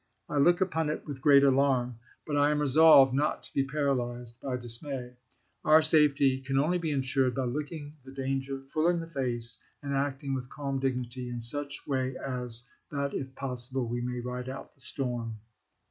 I look upon it with great alarm, but I am resolved not to be paralyzed by dismay. Our safety can only be insured by looking the danger full in the face and acting with calm dignity in SSEoSb? such way as [that] if possible we may ride out the ecks' storm."